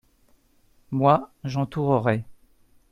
Moi, j’entourerai.